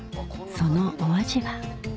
そのお味は？